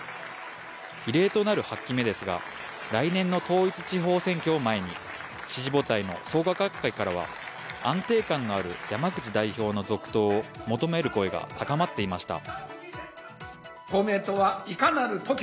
異例となる８期目ですが、来年の統一地方選挙を前に、支持母体の創価学会からは安定感のある山口代表の続投を求める声が高まっていました。